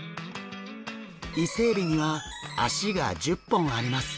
イセエビには脚が１０本あります。